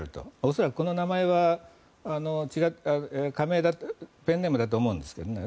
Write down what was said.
恐らくこの名前はペンネームだと思うんですけどね。